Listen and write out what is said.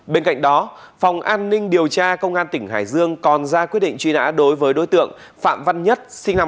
bên cạnh đó phòng an ninh điều tra công an tỉnh hải dương còn ra quyết định truy nã đối với đối tượng phạm văn nhất